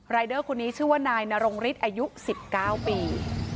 เดอร์คนนี้ชื่อว่านายนรงฤทธิ์อายุ๑๙ปี